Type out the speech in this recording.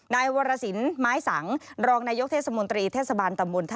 ในวรศิลป์ไม้สังต์รองนายกเทศมนตรีเทศบาลตะมนต์